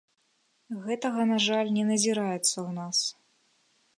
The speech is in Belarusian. Гэтага, на жаль, не назіраецца ў нас.